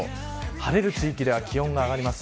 晴れる地域では気温が上がります。